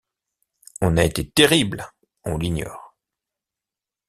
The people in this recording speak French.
On a été terrible, on l’ignore.